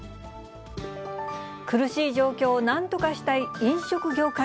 苦しい状況をなんとかしたい、飲食業界。